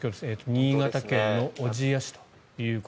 新潟県の小千谷市です。